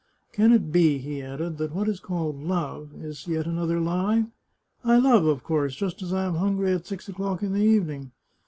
Can it be," he added, " that what is called ' love ' is yet another lie? I love, of course, just as I am hungry at six o'clock in the evening.